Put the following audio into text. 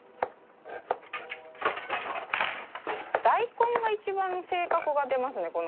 大根が一番性格が出ますね